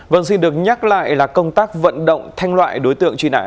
vâng xin được nhắc lại là công tác vận động thanh loại đối tượng truy nã